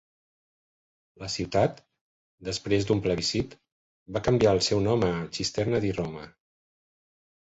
La ciutat, després d'un plebiscit, va canviar el seu nom a Cisterna di Roma.